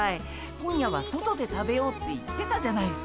今夜は外で食べようって言ってたじゃないっすか。